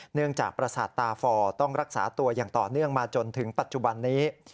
เนื่องจากประสาทตาฝ่อต้องรักษาตัวอย่างต่อเนื่องมาจนถึงปัจจุบันนี้